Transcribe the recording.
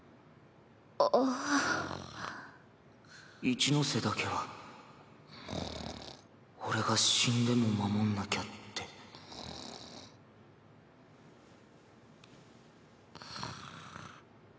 一ノ瀬だけは俺が死んでも守んなきゃってがぁ。